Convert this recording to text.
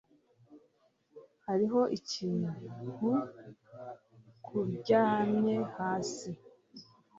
Hariho ikintu kuryamye hasi